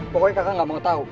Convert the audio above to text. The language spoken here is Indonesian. pokoknya kakak gak mau tahu